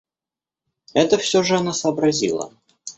Это всё же она сообразила.